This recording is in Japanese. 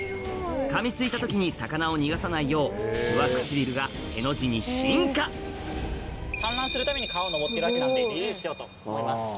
噛みついた時に魚を逃がさないように進化産卵するために川を上ってるわけなんでリリースしようと思います。